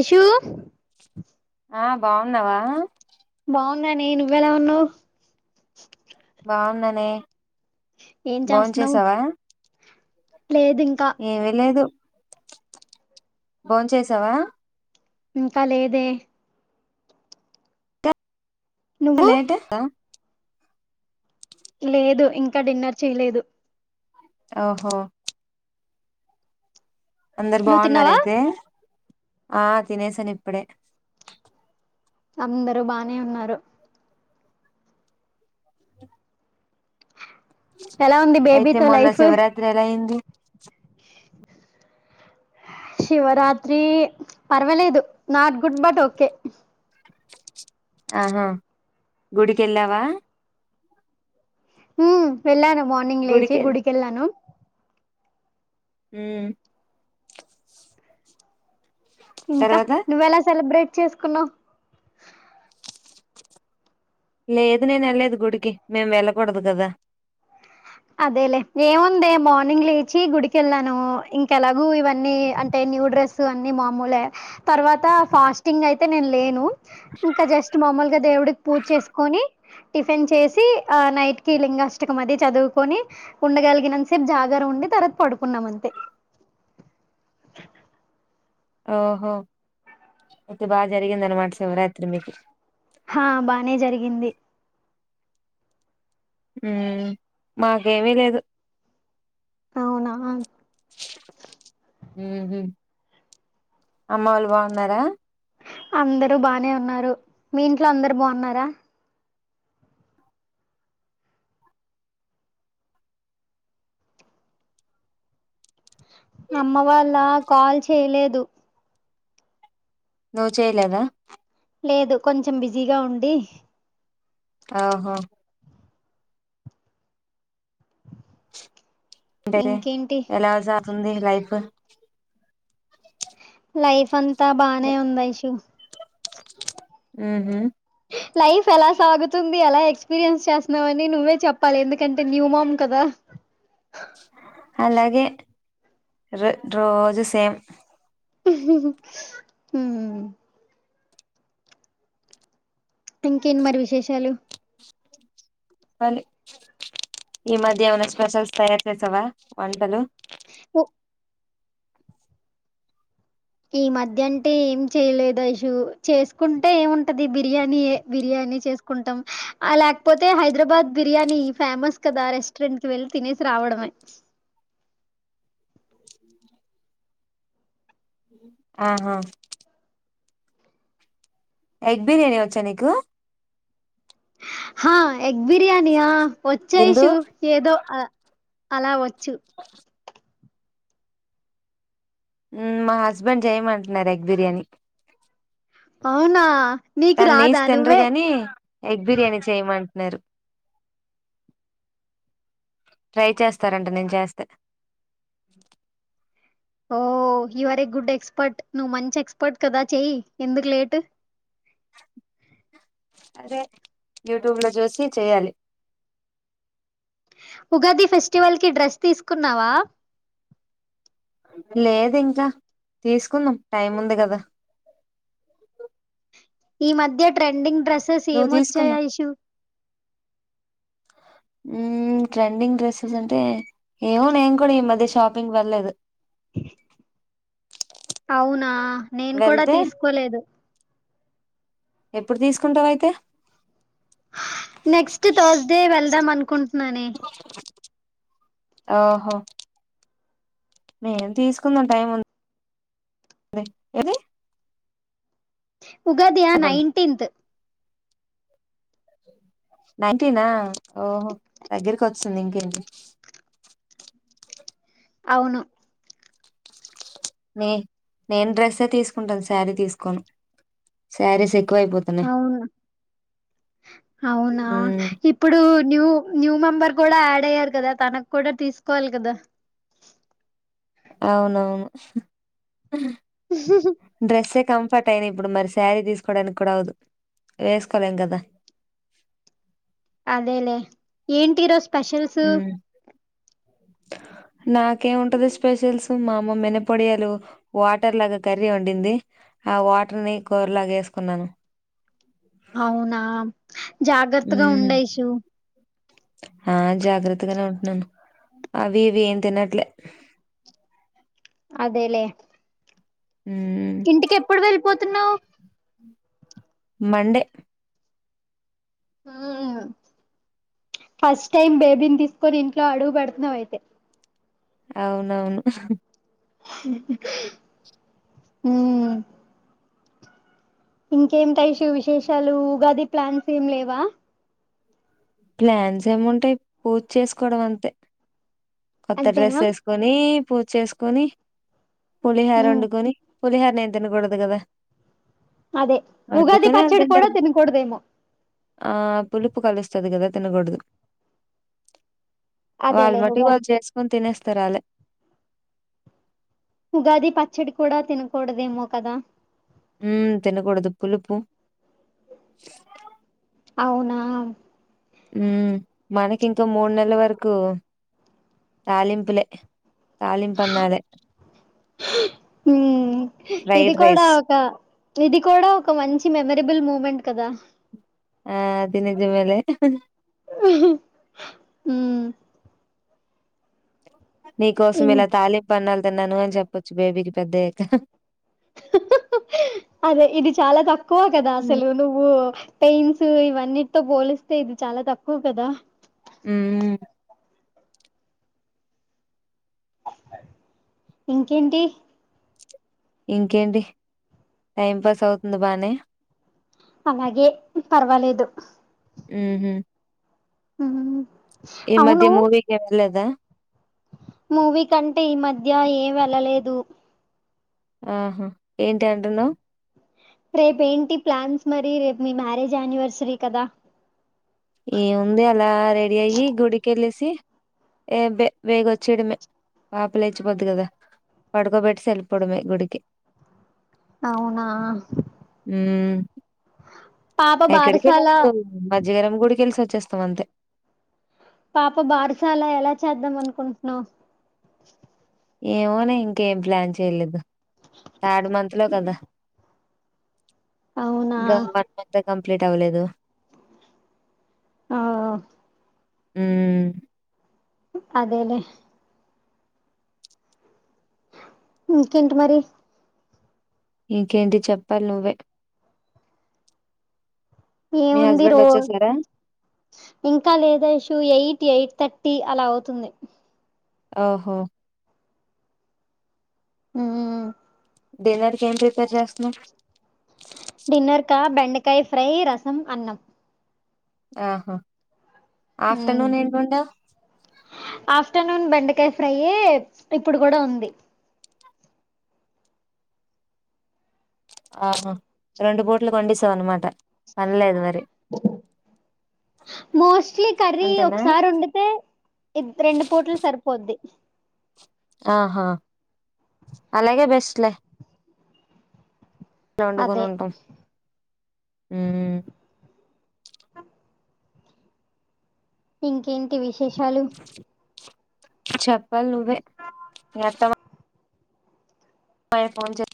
ఇషూ ఆ బావున్నావా అవ్నని నువ్వెలా ఉన్నావ్ బాగున్నానే ఏం చేస్తున్నావు భోన్చేసావా లేదు ఇంకా ఏమి లేదు భోన్చేసావా ఇంకా లేదే నువ్వు లేట్ లేదు ఇంకా డిన్నర్ చేయలేదు ఓహో అందరు నువ్వు బాగున్నార్ తిన్నావా అయితే ఆ తినేసాను ఇప్పుడే అందరు బానే ఉన్నారు ఎలా ఉంది అయితే బేబీతో మొన్న లైఫ్ శివరాత్రి ఎలా అయింది శివరాత్రి పర్వాలేదు నాట్ గుడ్ బట్ ఓకే ఆహా గుడికి వేళ్లావా హు వెళ్ళాను మార్నింగ్ లేచి గుడికి వేళ్ళాను హ్మ్ ఇంకా నువ్వెలా సెలబ్రేట్ చేసుకున్నావ్ లేదు నేను వెళ్లేదు గుడికి మేం వెళ్ళకూడదు కదా అదేలే ఏముందే మార్నింగ్ లేచి గుడికెళ్ళాను ఇంకెలాగూ ఇవన్నీ అంటే న్యూ డ్రెస్ అన్ని మాములే తరువాత ఫాస్టింగ్ అయితే నేను లేను ఇంక జస్ట్ మామూలుగా దేవుడికి పూజ చేసుకొని టిఫిన్ చేసి ఆ నైట్ కి లింగాష్టకం అది చదువ్ కోని ఉండగలిగినంతసేపు జాగరం ఉండి తర్వాత పడుకున్నాం అంతే ఓహో అయితే బాగా జరిగింది అన్నమాట శివరాత్రి మీకు హా బానే జరిగింది హుమ్ మాకేమీ లేదు అవునా హుమ్ హు అమ్మ వాళ్ళు బాగున్నారా అందరు బానే ఉన్నారు మీ ఇంట్లో అందరు బాగున్నారా అమ్మ వాళ్ళ కాల్ చేయలేదు నువ్వు చేయలేదా లేదు కొంచెం బిజీగా ఉండి ఓహో ఇంకేంటి ఎలాసాగుతుంది లైఫ్ లైఫ్ అంతా బానే ఉంది ఐషు హుమ్ హు లైఫ్ ఎలా సాగుతుంది ఎలా ఎక్స్పీరియన్స్ చేస్తున్నావని నువ్వే చెప్పాలి ఎందుకంటే న్యూ మామ్ కదా ర రోజు సేమ్ హుమ్ ఇంకేంటి మరి విశేషాలు చెప్పాలి ఈ మధ్య ఏమైనా స్పెషల్స్ తయారు చేసవ వంటలు ఉ ఈ మధ్య అంటే ఏం చేయలేదు ఐషు చేసుకుంటే ఏముంటది బిర్యానినే బిర్యాని చేసుకుంటాం లేకపోతే హైదరాబాద్ బిర్యాని ఫేమస్ కదా రెస్టారెంట్ కి వెళ్లి తినేసి వస్తాం రావడమే ఆహా ఎగ్ బిర్యానీ వచ్చా నీకు హ ఎగ్ బిర్యానియా వచ్చు ఎందు ఐషు ఏదో అలా వచ్చు వచ్చు మా హస్బెండ్ చేయమంటున్నారు ఎగ్ బిర్యానీ అవునా నీకు తను నీస్ రాదా నువ్వే తినరుగాని ఎగ్ బిర్యానీ చేయమంటున్నారు ట్రై చేస్తారంట నేను చేస్తే oh you were a good expert నువ్వు మంచి ఎక్స్పర్ట్ కదా చేయి ఎందుకు లేటు అదే యూట్యూబ్ లో చూసి చేయాలి ఉగాది ఫెస్టివల్ కి డ్రెస్ తీసుకున్నావా లేదు ఇంకా తీసుకుందాం టైం ఉంది కదా ఈ మధ్య ట్రెండింగ్ డ్రెస్సెస్ నువ్వు ఏమొచ్చాయా తీసుకుందాం ఐషు ఉమ్ ట్రెండింగ్ డ్రెస్సెస్ అంటే ఏమో నేను కూడా ఈ మధ్య షాపింగ్ వెళ్లేదు అవునా నేను కూడా వెళ్తే తీసుకోలేదు ఎప్పుడు తీసుకుంటావ అయితే నెక్స్ట్ థర్స్డే వెళ్దాం అనుకుంటున్నాని ఆహో మేం తీసుకుందాం టైం ఎధి ఉగాధి నైన్టీన్త్ నైన్టీనా ఓహో దగ్గరికి వస్తుంది ఇంకేంటి అవును నే నేను డ్రెస్ తీసుకుంటాను శారీ తీసుకోని శారీ స అవునా అవునా ఉమ్ ఇప్పుడు న్యూ న్యూ మెంబర్ కూడా యాడ్ అయ్యారు కదా తనకు కూడా తీసుకోవాలి కదా అవును [unintelligible] కంఫర్ట్ అయినా ఇప్పుడు మరి శారీ తీసుకోవడానికి కూడా అవదు వేసుకోలేం కదా అదేలే ఏంటి ఈరోజు స్పెషల్సు నాకేమింటది స్పెషల్స్ మా అమ్మ మినపొడియాలు వాటర్ లాగా కర్రీ వండింది ఆ వాటర్ ని కోరలాగ వేసుకున్నాను అవునా జాగ్రత్తగా ఉమ్ ఉండు అయిషు ఆ జాగ్రత్తగానే ఉంటున్నాను అవి ఇవి ఏం తినట్లే అదేలేే మ్మ్ ఇంటికి ఎప్పుడు వెళ్ళిపోతున్నావ మండే ఉమ్ ఫస్ట్ టైం బేబీని తీస్కొని ఇంట్లో అడుగు పెడుతున్నావయితే? అవునవును. ఉమ్ ఇంకేటి ఐషు విశేషాలు ఉగాది ప్లాన్స్ ఏం లేవా? ప్లాన్స్ ఏముంటాయి పూజ్ చేసుకోవడం అంతే కొత్త డ్రెస్ అంతేనా వేసుకొని పూజ వేసుకొని పులి హోర వండుకొని పులిహార్ నేన్ తినకూడదు కదా అదే ఉగాది వండుకొని వాళ్ళు పచ్చడి కూడా తింటారు తిన కూడదేమో? ఆ పులుపు కలుస్తది కదా తినకూడదు. అదేలే వాళ్మటుకు ఉగా వాళ్ చేసుకొని తినేస్తారు వాలే ఉగాది పచ్చడి కూడా తినకూడదేమో కదా ఉమ్ తినకూడదు పులుపు అవునా ఉమ్ మనకి ఇంకో మూడు నెలల వరకు తాలింపులే తాలింపన్నా అదే ఉహ్మ్ ఇది కూడా ఒక ఇది కూడా ఒక మంచి మెమరబుల్ మూమెంట్ కదా ఆ అది నిజమేలే ఉమ్ నీకోసం ఇం ఇలా తాలింపన్నాలు తిన్నాను అని చెప్పొచ్చు బేబీకి పెద్దయ్యాక. అసలు ఇది చాలా తక్కువ కదా అసలు నువ్వు పెయిన్స్ ఇవన్నిట్తో పోలిస్తే ఇది చాలా తక్కువ కదా ఉమ్మ్ ఇంకేంటి ఇంకేంటి టైం పాస్ అవుతుంది బానే అలాగే పర్వాలేదు ఉమ్మ్ ఉమ్ ఈ అవును మధ్య మూవీకి ఏళ్లలేదా? మూవీ కంటే ఈ మధ్య ఏం ఎళ్ళలేదు. ఆహా ఏంటి అంటున్నావ్ రేపు ఏంటి ప్లాన్స్ మరి రేపు మీ మ్యారేజ్ యానివర్సరీ కదా? ఏముంది అలా రెడీ అయ్యి గుడికేళ్లేసి ఏబే బేగొచ్చేయడమే పాపలేచిపోద్ది కదా పడుకోబెట్టిసి ఎల్ పోవడమే గుడికి అవునా మ్మ్ పాప ఎక్కడికి బారసాల లేదు మజ్జిగరం గుడికెల్సి వచ్చేస్తం అంతే పాప బార్సాలా ఎలా చేద్దాం అనుకుంటున్నావ్. ఏమోనే ఇంకేం ప్లాన్ చేయలేదు థార్డ్ మంత్ లో కదా అవునా ఇంక వన్ మంతే కంప్లీట్ అవ్వలేదు. అవ్ ఉమ్ అదేలేే ఇంకేంటి మరి ఇంకేంటి చెప్పాలి నువ్వే ఏం మీ ఉంది హస్బెండ్ రో వచ్చేసారా? ఇంక లేదు ఐషూ ఎయిట్ ఎయిట్ థట్టీ అలా అవుతుంది ఓహో ఉమ్మ్ డిన్నర్ కి ఏం ప్రిపేర్ చేస్తన్వ్? డిన్నర్ కా బెండకాయ్ ఫ్రై, రసం, అన్నం. ఆహా ఆఫ్టర్నూన్ ఎంవండావు. ఆఫ్టర్నూన్ బెండకాయ్ ఫ్రైయే ఇప్పుడు గుడా ఉంది. ఆహా రెండు పూటలకి వొండేసావనమాట పన్లేదు మరి. మోస్ స్లీ కర్రీ అంతేనా? ఒకసారి వొండితే ఇద్ రెండు పూట్లకి సరిపోద్ది. ఆహా అలాగే బెస్ట్ లే. వండుకొని అదే ఉంటాం హ్మ్ ఇంకేంటి విశేషాలు? చెప్పాలి నువ్వే మీ అత్తమ్మా యే ఫోన్ చే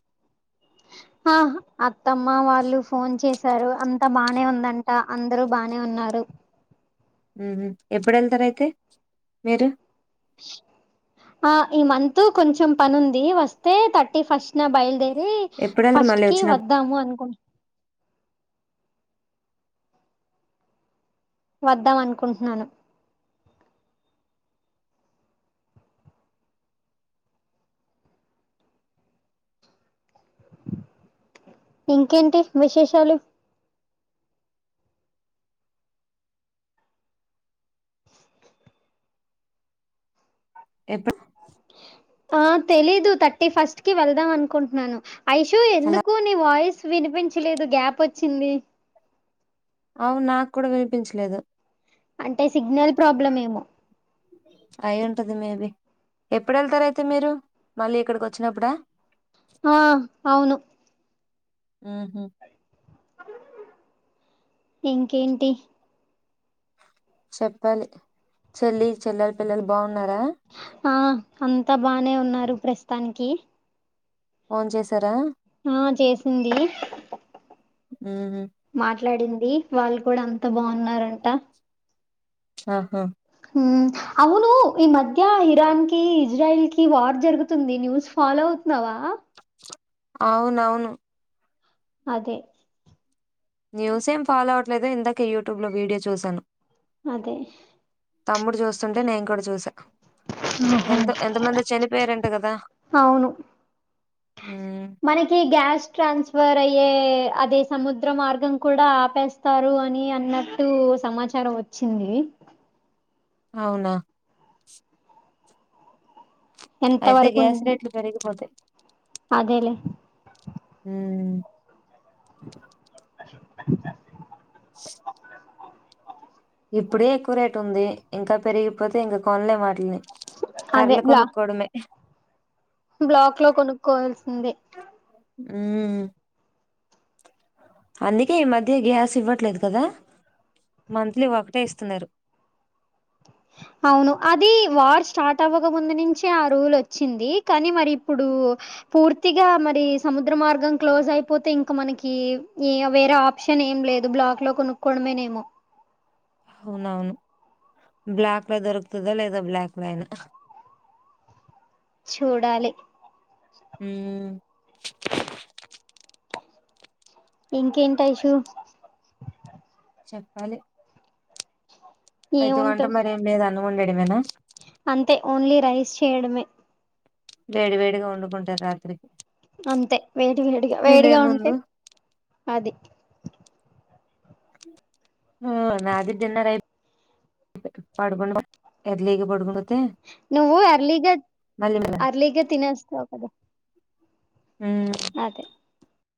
ఆహ్ అత్తమ్మ వాళ్ళు ఫోన్ చేశారు. అంత్ అంతా బానే ఉందంట. అందరు బానే ఉన్నారు. హుహ్ ఎప్పుడు ఎల్తరైతే మీరు? [unintelligible] ఆ ఈ మంత్ కొంచెం పనుంది వస్తే థర్టీ ఫస్ట్ నా బయలుదే రి ఎప్పుడెళ్తారు ఫస్ట్ మళ్ళీ కి వచ్చినప్పుడు? వద్దాము అనుకుం వద్దాం అనుకుంటున్నాను. ఇంకేంటి విశేషాలు? ఎప్పుడు ఆ తెలీదు థ ఫస్ట్ కి వెళ్దాం అనుకుంటున్నాను. ఐషు హలో! ఎందుకు నీ వాయిస్ వినిపించలేదు గ్యాప్ వచ్చింది. అవును నాకు కూడా వినిపించలేదు. అంటే సిగ్నల్ ప్రాబ్లం ఏమో. ఉంటది మేబీ. ఎప్పుడు వెళ్తరు అయితే మీరు మళ్ళీ ఇక్కడికి వచ్చినప్పుడా? ఆ అవును. హుహ్ ఇంకేంటి? చెప్పాలి. చెల్లి చెల్లలు పిల్లలు బావుం ఆ అంతా బానే ఉన్నారు ప్రస్తుతానికి. ఫోన్ చేసారా? ఆ చేసింది, ఉహు మాట్లాడింది వాళ్ళు కూడా అంత బావున్నారంటా. ఆహా హ్ అవును ఈ మధ్య ఇరాన్ కి, ఇజ్రాయిల్ కి వార్ జరుగుతుంది న్యూస్ ఫాలో అవుతున్నావా. అవునవును. అదే న్యూస్ ఏం ఫాలో అవట్లేదా ఇందాకే యూట్యూబ్లో వీడియో చూశాను. అదే తమ్ముడు చూస్తుంటే నేను కూడా చూసా. ఆహా ఎంతో ఎంతమంది చనిపోయారంట కదా. అవును ఉమ్ మనకి గ్యాస్ ట్రాన్స్ఫర్ అయి అయ్యే అది సముద్ర మార్గం కూడా ఆపేస్తారు అని అన్నట్టు సమాచారం వచ్ చ్చింది. అవునా ఎంత అయితే వరకు గ్యాస్ ని- రేట్లు పెరిగిపోతయి. అదేలే హ్ ఇప్పుడే ఎక్కువ రేట్ ఉంది ఇంకా పెరిగిపోతే ఇంకా కొనలేమా ఆటిల్ని అదే కర్లు బ్లా కొనుక్కడమే బ్లాక్ లో కొనుక్కోవాల్సింది మ్మ్ అందికే ఈ మధ్య గ్యాస్ ఇవ్వట్లేదు కదా మంత్లీ ఒకటే ఇస్తున్నారు అవును అది వార్ స్టార్ట్ అవ్వక ముందు నుంచే ఆ రూల్ వచ్చింది కానీ మరి ఇప్పుడు పూర్తిగా మరి సముద్ర మార్గం క్లోజ్ అయిపోతే ఇంకా మనకి వేరే ఆప్షన్ ఏం లేదు బ్లాక్ లో కొనుక్కోవడమేనేమో అవునవును బ్లాక్ దొరుకుతదా లేదా బ్లాక్ లైనా చూడాలి హామ్ ఇంకేంటి ఐషు చెప్పాలి అయితే వంట ఏముంటది మరి ఏం లేదు అన్న వండేడు ఏమేనా అంతే ఓన్లీ రైస్ చేయడమే వేడి వేడిగా వండుకుంటారు రాత్రికి అంతే వేడి వేడిగా తినే వేడిగా ఉంటే ముందు అది ఆ నాది డిన్నర్ అయి పడుక ఎర్లీగ పడుక నువ్వు అర్లీగా మళ్ళీ అర్లీగా తినేస్తావ్ కదా మ్మ్ అదే